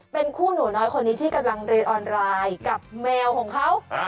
เป็นคู่หนูน้อยคนนี้ที่กำลังเรียนออนไลน์กับแมวของเขา